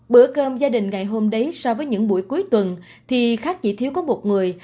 bữa cơm gia đình ngày hôm đấy so với những buổi cuối tuần thì khác chỉ thiếu có một người